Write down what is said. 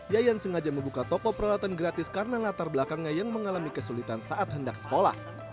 yayan sengaja membuka toko peralatan gratis karena latar belakangnya yang mengalami kesulitan saat hendak sekolah